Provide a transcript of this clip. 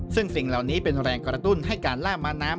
ซึ่งสิ่งเหล่านี้เป็นแรงกระตุ้นให้การล่าม้าน้ำ